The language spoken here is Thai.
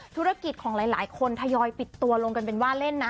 ธุรกิจของหลายคนทยอยปิดตัวลงกันเป็นว่าเล่นนะ